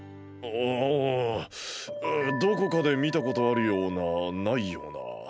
うんどこかでみたことあるようなないような。